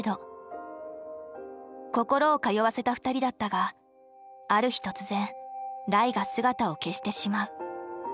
心を通わせた２人だったがある日突然ライが姿を消してしまう。